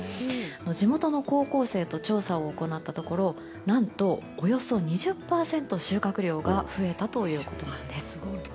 地元の高校生と調査を行ったところ何と、およそ２０％収穫量が増えたということです。